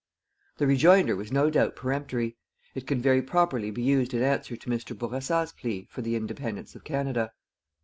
The rejoinder was no doubt peremptory. It can very properly be used in answer to Mr. Bourassa's plea for the independence of Canada.